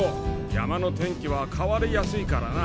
山の天気は変わりやすいからな。